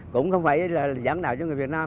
cũng không phải là giảng đạo cho người việt nam